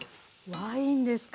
ワインですか！